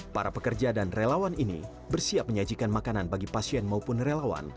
para pekerja dan relawan ini bersiap menyajikan makanan bagi pasien maupun relawan